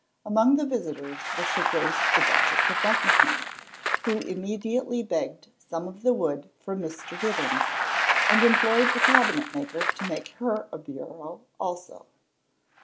Among the visitors was her Grace the Duchess of Buckingham, who immediately begged some of the wood from Mr. Gibbons, and employed the cabinet maker to make her a bureau also.